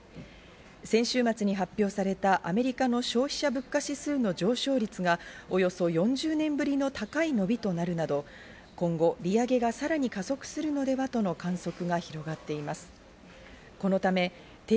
先週末に発表されたアメリカの消費者物価指数の上昇率がおよそ４０年ぶりの高い伸びとなるなど今後、利上げがさらに加速するのではとの観測が広がっています。